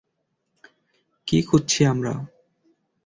কী খুঁজছি আমরা?